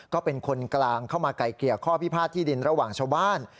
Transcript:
ก็เป็นคนกลางเข้ามาไกลเกลี่ยข้อพิพาทที่ดินระหว่างชาวบ้าน